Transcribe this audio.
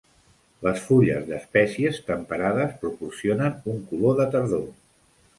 Les fulles d'espècies temperades proporcionen un color de tardor.